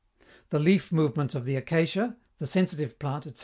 The leaf movements of the acacia, the sensitive plant, etc.